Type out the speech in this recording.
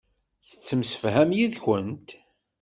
Tettemsefham yid-kent.